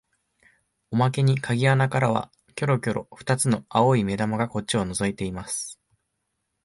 おまけに鍵穴からはきょろきょろ二つの青い眼玉がこっちをのぞいています